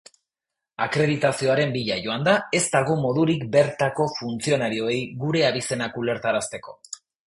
Akreditazioaren bila joanda, ez dago modurik bertako funtzionarioei gure abizenak ulertarazteko.